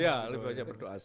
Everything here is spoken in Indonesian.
iya lebih banyak berdoa saya